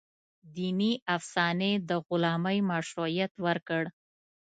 دیني افسانې د غلامۍ مشروعیت ورکړ.